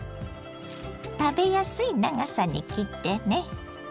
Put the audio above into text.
食べやすい長さに切ってね。